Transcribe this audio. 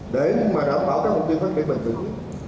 để mà đảm bảo cho mục tiêu phát triển bền vững